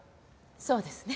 そうですね。